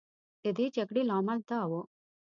د دې جګړې لامل دا و.